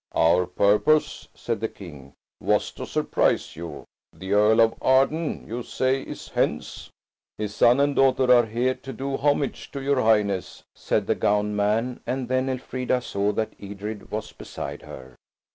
"Our purpose," said the King, "was to surprise you. The Earl of Arden, you say, is hence?" "His son and daughter are here to do homage to your Highness," said the gowned man, and then Elfrida saw that Edred was beside her.